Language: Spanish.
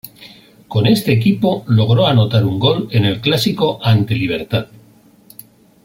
Con este equipo logró anotar un gol en el clásico ante Libertad.